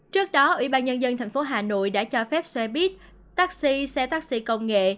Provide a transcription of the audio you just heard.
trước đó ủy ban nhân dân tp hà nội đã cho phép xe buýt taxi xe taxi công nghệ